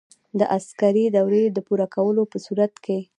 د عسکري دورې د پوره کولو په صورت کې.